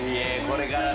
これから。